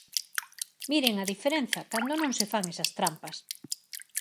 ¡Miren a diferenza cando non se fan esas trampas!